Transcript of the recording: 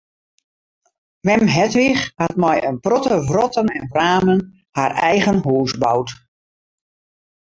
Mem Hedwig hat mei in protte wrotten en wramen har eigen hûs boud.